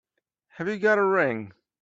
Have you got a ring?